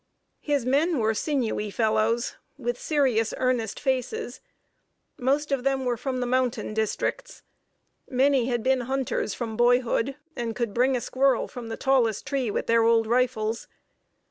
His men were sinewy fellows, with serious, earnest faces. Most of them were from the mountain districts. Many had been hunters from boyhood, and could bring a squirrel from the tallest tree with their old rifles.